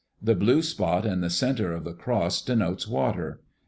The blue spot in the centre of the cross denotes water.